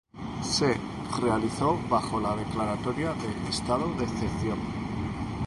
Se realizó bajo la declaratoria de Estado de Excepción.